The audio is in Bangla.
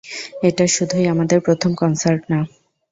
এটা শুধুই আমাদের প্রথম কনসার্ট না।